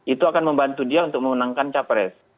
itu akan membantu dia untuk memenangkan capres